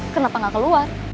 kenapa gak keluar